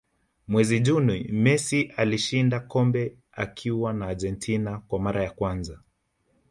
mwezi juni messi alishinda kombe akiwa na argentina kwa mara ya kwanza